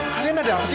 kalian ada apa sih